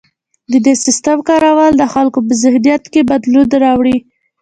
د دې سیستم کارول د خلکو په ذهنیت کې بدلون راوړي.